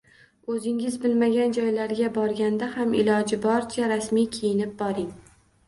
O‘zingiz bilmagan joylarga borganda ham iloji boricha rasmiy kiyinib boring.